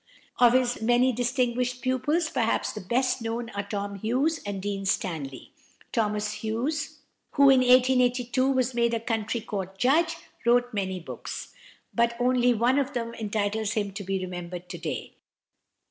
Of his many distinguished pupils, perhaps the best known are Tom Hughes and Dean Stanley. =Thomas Hughes (1823 1896)=, who in 1882 was made a county court judge, wrote many books, but only one of them entitles him to be remembered to day.